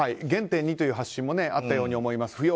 原点にという発信もあったように思います。